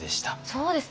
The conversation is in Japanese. そうですね。